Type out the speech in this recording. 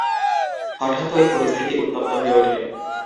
হঠাৎই পরিস্থিতি উত্তপ্ত হয়ে ওঠে।